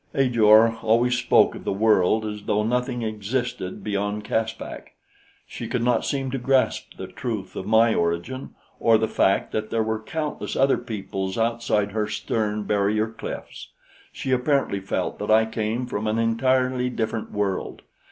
Ajor always spoke of the world as though nothing existed beyond Caspak. She could not seem to grasp the truth of my origin or the fact that there were countless other peoples outside her stern barrier cliffs. She apparently felt that I came from an entirely different world.